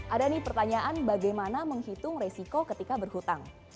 ada nih pertanyaan bagaimana menghitung resiko ketika berhutang